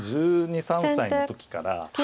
１２１３歳の時から。